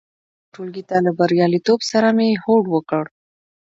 څلورم ټولګي ته له بریالیتوب سره مې هوډ وکړ.